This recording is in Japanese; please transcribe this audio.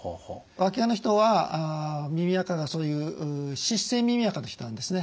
わきがの人は耳あかがそういう湿性耳あかの人なんですね。